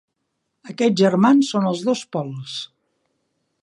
Aquests germans són els dos pols.